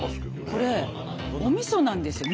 これお味噌なんですよ。